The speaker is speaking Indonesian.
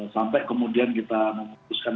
sampai kemudian kita memutuskan